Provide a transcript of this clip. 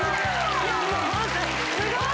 すごい！